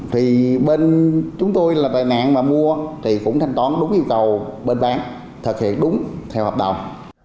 thì bên chúng tôi là tệ nạn mà mua thì cũng thanh toán đúng yêu cầu bên bán thực hiện đúng theo hợp đồng